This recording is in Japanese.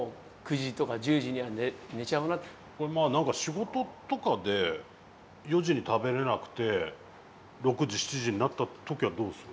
これまあ何か仕事とかで４時に食べれなくて６時７時になった時はどうするんですか？